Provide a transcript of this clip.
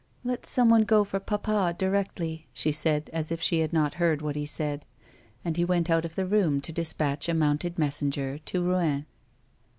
"Let someone go for papa, directly," she said as if she had not heard what he said ; and he went out of the room to dispatch a mounted messenger to Rouen.